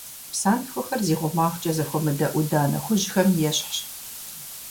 Псантхуэхэр зи гъумагъкӀэ зэхуэмыдэ Ӏуданэ хужьхэм ещхьщ.